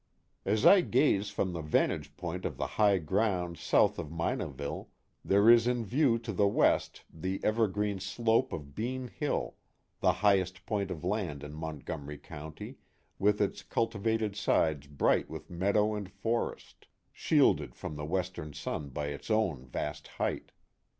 As I gaze from the vantage point of the high ground south of Minaville, there is in view to the west the ever green slope of Bean Hill, the highest point of land in Montgomery County, with its cultivated sides bright with meadow and forest, shielded from the western sun by its own vast height.